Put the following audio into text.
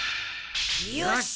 よし！